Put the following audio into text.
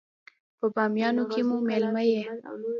په بامیانو کې مو مېلمه يې.